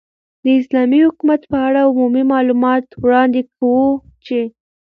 ، داسلامې حكومت په اړه عمومي معلومات وړاندي كوو چې